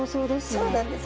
そうなんです。